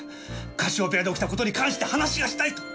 カシオペアで起きた事に関して話がしたいと！